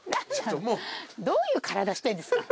どういう体してんですか？